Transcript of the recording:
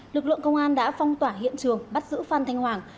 lực lượng công an đã phong tỏa hiện trường bắt giữ phan thanh hoàng